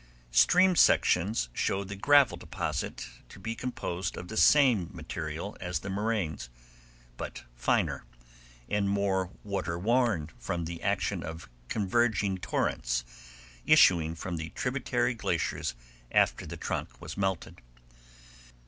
Stream sections show the gravel deposit to be composed of the same material as the moraines, but finer, and more water worn from the action of converging torrents issuing from the tributary glaciers after the trunk was melted.